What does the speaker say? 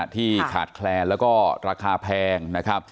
ที่ขาดแคลร์แล้วก็ราคาแพง